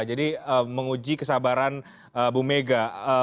jadi menguji kesabaran bu mega